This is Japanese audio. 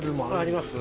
あります。